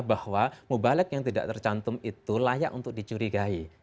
bahwa mubalek yang tidak tercantum itu layak untuk dicurigai